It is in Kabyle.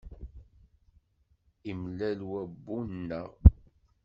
Imlal wabbu-nneɣ.